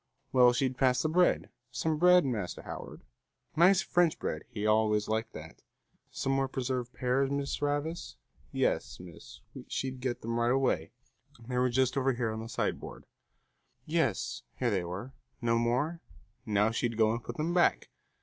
Well, she'd pass the bread. Some bread, Master Howard? Nice French bread, he always liked that. Some more preserved pears, Miss Ravis? Yes, miss, she'd get them right away; they were just over here on the sideboard. Yes, here they were. No more? Now she'd go and put them back.